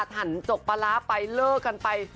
ถั่นจกปลาร้าไปเลิกกันไป